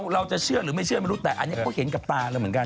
เราจะเชื่อหรือเห็นหรือไม่เห็นว่านี่ก็จะเห็นกับตาเราอย่างนี้